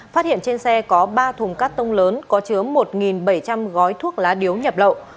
phát hiện trên xe có ba thùng cắt tông lớn có chứa một bảy trăm linh gói thuốc lá điếu nhập lậu